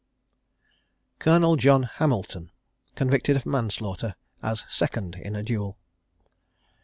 COLONEL JOHN HAMILTON. CONVICTED OF MANSLAUGHTER AS SECOND IN A DUEL.